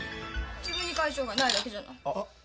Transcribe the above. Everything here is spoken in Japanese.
自分に甲斐性がないだけじゃないあっ